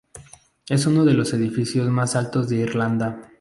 Es uno de los edificios más altos de Irlanda.